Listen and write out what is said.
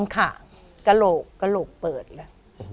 ค่ะกระโหลกเปิดแล้ว